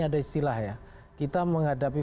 ada istilah ya kita menghadapi